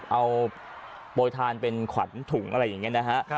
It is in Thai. เอาโปรยทานเป็นขวัญถุงอะไรอย่างนี้นะฮะ